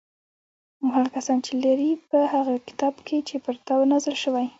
او هغه کسان چې لري په هغه کتاب چې پر تا نازل شوی